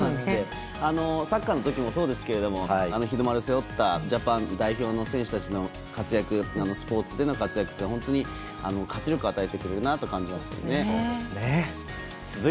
サッカーの時もそうですけど日の丸を背負ったジャパンの代表の選手たちのスポーツでの活躍は活力を与えてくれると思います。